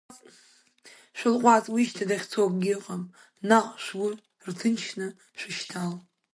Шәылҟәаҵ, уи шьҭа дахьцо акгьы ыҟам, наҟ шәгәы рҭынчны шәышьҭал!